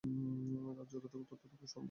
তারা যতটুকু ততটুকুই সুসম্পূর্ণ।